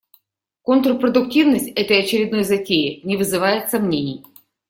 Контрпродуктивность этой очередной затеи не вызывает сомнений.